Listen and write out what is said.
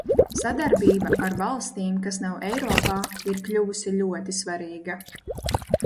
Sadarbība ar valstīm, kas nav Eiropā, ir kļuvusi ļoti svarīga.